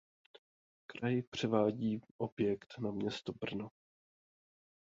Kraj převádí objekt na město Brno.